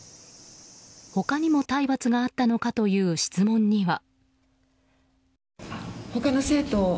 他にも体罰があったのかという質問には。